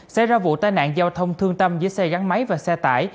xảy ra vụ tai nạn giao thông thương tâm giữa xe gắn máy và xe tải